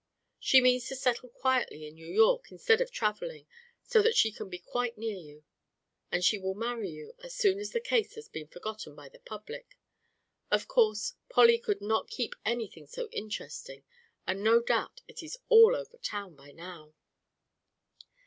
She means to settle quietly in New York, instead of travelling, so that she can be quite near you, and she will marry you as soon as the case has been forgotten by the public. Of course, Polly could not keep anything so interesting, and no doubt it is all over town by now."